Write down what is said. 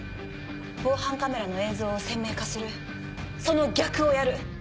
防犯カメラの映像を鮮明化するその逆をやる。